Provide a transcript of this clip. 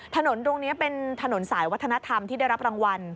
ถนนตรงนี้เป็นถนนสายวัฒนธรรมที่ได้รับรางวัล